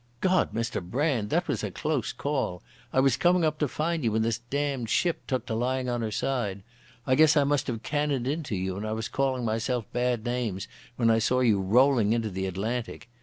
"God, Mr Brand, that was a close call! I was coming up to find you, when this damned ship took to lying on her side. I guess I must have cannoned into you, and I was calling myself bad names when I saw you rolling into the Atlantic.